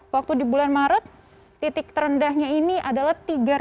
waktu di bulan maret titik terendahnya ini adalah tiga sembilan ratus tiga puluh tujuh